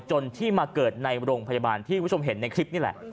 จนที่มาเกิดในโรงพยาบาลที่คุณผู้ชมเห็นในคลิปนี่แหละ